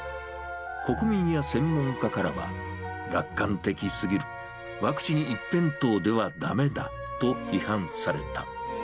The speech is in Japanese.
国民や専門家からは、楽観的すぎる、ワクチン一辺倒ではだめだと批判された。